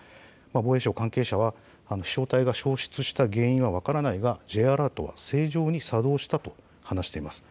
防衛省関係者は飛しょう体が消失した原因は分からないがＪアラートは正常に作動したと話しています。